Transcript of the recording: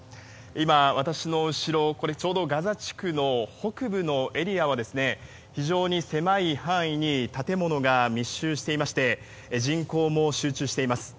今、私の後ろ、ちょうどガザ地区の北部のエリアは非常に狭い範囲に建物が密集していまして人口も集中しています。